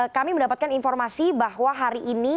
kami mendapatkan informasi bahwa hari ini